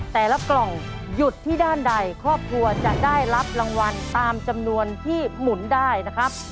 กล่องหยุดที่ด้านใดครอบครัวจะได้รับรางวัลตามจำนวนที่หมุนได้นะครับ